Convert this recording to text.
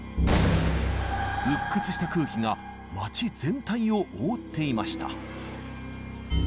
鬱屈とした空気が街全体を覆っていました。